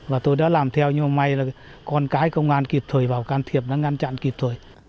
và tôi đã làm theo nhưng mà may là con cái công an kịp thời vào can thiệp nó ngăn chặn kịp thời